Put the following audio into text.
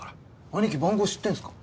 兄貴番号知ってるんですか？